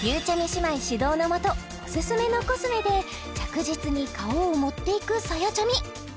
姉妹指導のもとおすすめのコスメで着実に顔を盛っていくさやちゃみ